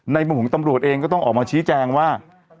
มุมของตำรวจเองก็ต้องออกมาชี้แจงว่า